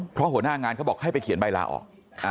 เพราะหัวหน้างานเขาบอกให้ไปเขียนใบลาออก